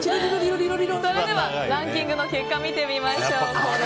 それではランキングの結果を見てみましょう。